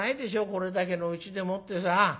これだけのうちでもってさ。